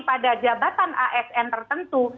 pada jabatan asn tertentu